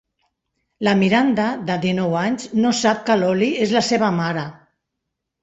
La Miranda, de dinou anys, no sap que l'Oly és la seva mare.